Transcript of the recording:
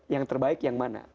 yang terbaik yang mana